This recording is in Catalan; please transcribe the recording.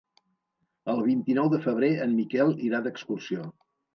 El vint-i-nou de febrer en Miquel irà d'excursió.